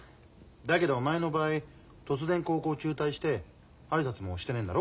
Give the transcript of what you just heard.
だけどお前の場合突然高校中退して挨拶もしてねんだろ？